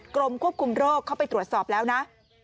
กรมควบคุมโรคเข้าไปตรวจสอบแล้วนะ